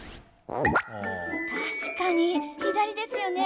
確かに左ですよね？